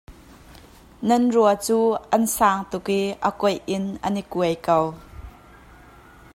Nan rua cu an sang tuk i a koih in an i kuai ko.